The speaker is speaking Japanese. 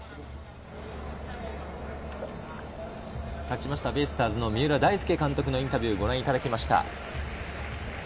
勝ちましたベイスターズの三浦大輔監督のインタビューをご覧いただきました。